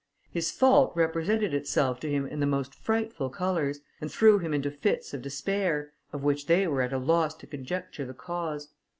His fault represented itself to him in the most frightful colours, and threw him into fits of despair, of which they were at a loss to conjecture the cause.